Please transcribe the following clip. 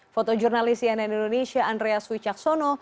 fotojurnalisian indonesia andrea suicaksono